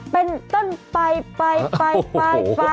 เป็นต้นไปไปไปไป